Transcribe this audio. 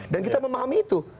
dan kita memahami itu